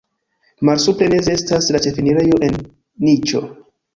Malsupre meze estas la ĉefenirejo en niĉo.